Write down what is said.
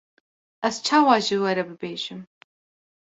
ez çawa ji we re bibêjim.